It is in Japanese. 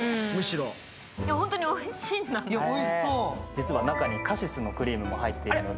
実は中にカシスのクリームも入っているので。